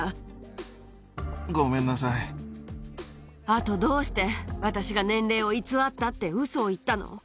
あと、どうして私が年齢を偽ったってウソを言ったの。